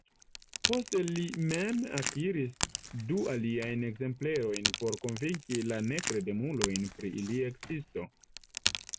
Poste li mem akiris du aliajn ekzemplerojn por konvinki la nekredemulojn pri ilia ekzisto.